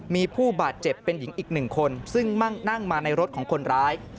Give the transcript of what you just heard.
มีผู้บาดเจ็บเป็นหญิงอีกหนึ่งคนซึ่งนั่งมาในรถของคนร้าย